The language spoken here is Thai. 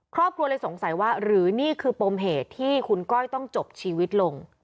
ครอบครัวเลยสงสัยว่าหรือนี่คือปมเหตุที่คุณก้อยต้องจบชีวิตลง